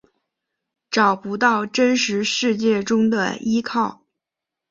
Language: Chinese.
找不到真实世界中的依靠